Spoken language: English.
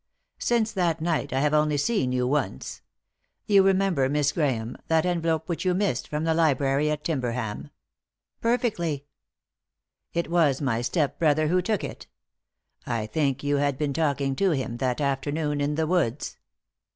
Since that night I have only seen yoa once. You remember, Miss Grahame, that envelope which you missed from the library at Timberham ?"'" Perfectly." " It was my step brother who took it I think yon had been talking to him that afternoon in the woods."